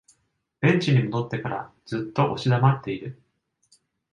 ベンチに戻ってからずっと押し黙っている